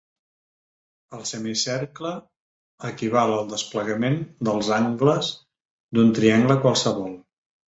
El semicercle equival al desplegament dels angles d'un triangle qualsevol.